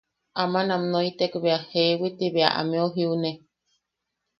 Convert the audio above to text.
Aman am noitek bea jeewi ti bea ameu jiune.